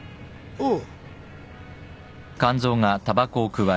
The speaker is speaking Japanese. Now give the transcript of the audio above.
おう。